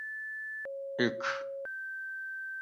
ایچ